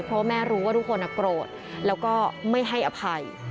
เพราะว่าแม่รู้ว่าทุกคนโกรธแล้วก็ไม่ให้อภัย